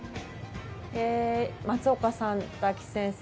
え松岡さん大吉先生